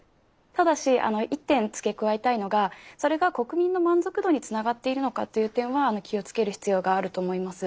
ただし一点付け加えたいのがそれが国民の満足度につながっているのかっていう点は気をつける必要があると思います。